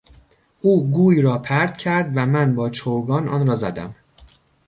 او گوی را پرت کرد و من با چوگان آنرا زدم.